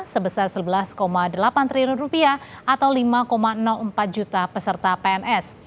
sebesar rp sebelas delapan triliun rupiah atau lima empat juta peserta pns